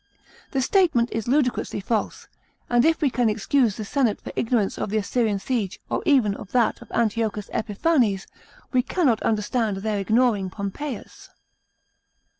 The statement is ludicrously false ; and if we can excuse the senate lor ignorance of the Assyrian siege or even of that of Antiochus Epiphanes, we cannot understand their ignoring Pompeius.